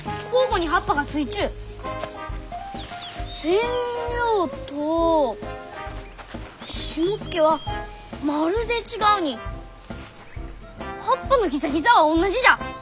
センリョウとシモツケはまるで違うに葉っぱのギザギザはおんなじじゃ！